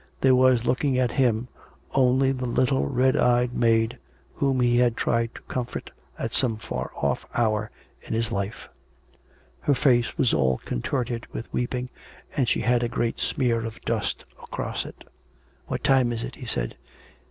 There was looking at him only the little red eyed maid whom he had tried to comfort at some far off hour in his life. Her face was all contorted with weeping, and she had a great smear of dust across it. " What time is it }" he said. " It